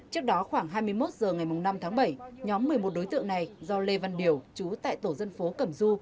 trước đó khoảng hai mươi một h ngày năm tháng bảy nhóm một mươi một đối tượng này do lê văn điều chú tại tổ dân phố cẩm du